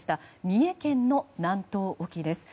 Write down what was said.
三重県の南東沖です。